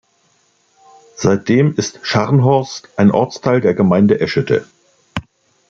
Seitdem ist Scharnhorst ein Ortsteil der Gemeinde Eschede.